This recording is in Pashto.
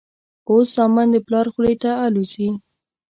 اوس زامن د پلار خولې ته الوزي.